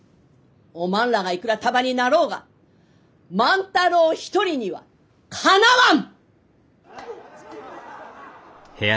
おまんらがいくら束になろうが万太郎一人にはかなわん！